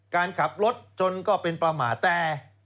การขับรถจนก็เป็นประมาทแต่